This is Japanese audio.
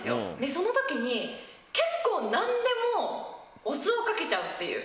その時に、結構、何でもお酢をかけちゃうっていう。